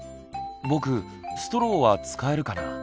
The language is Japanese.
ぼくストローは使えるかな？